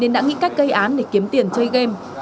nên đã nghĩ cách gây án để kiếm tiền chơi game